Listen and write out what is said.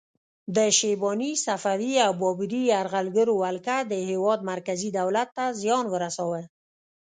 د شیباني، صفوي او بابري یرغلګرو ولکه د هیواد مرکزي دولت ته زیان ورساوه.